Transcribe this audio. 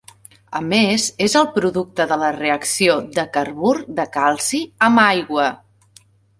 A més és el producte de la reacció de carbur de calci amb aigua.